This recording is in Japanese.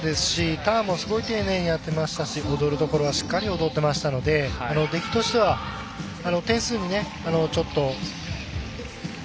ターンもすごい丁寧にやっていましたし踊るところはしっかり踊っていたので出来としては点数にちょっと。